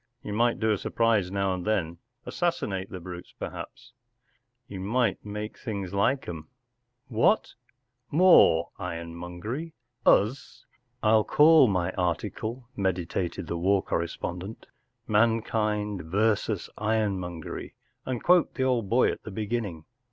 You might do a surprise now and then—assassinate the brutes, perhaps——” “You might make things like 'em.” “ What ? More ironmongery ? Us ?.. /’ “I'll call my article,” meditated the war correspondent, “‘Mankind versus Iron mongerv, 7 and quote the old boy at the beginning.